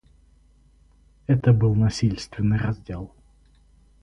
Это был насильственный раздел.